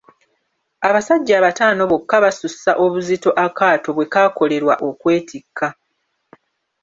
Abasajja bataano bokka basussa obuzito akaato bwe kaakolerwa okwetikka.